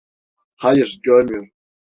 Hayır, görmüyorum.